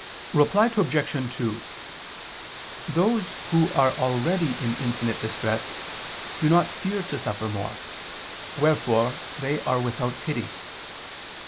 Reply Obj. 2: Those who are already in infinite distress, do not fear to suffer more, wherefore they are without pity.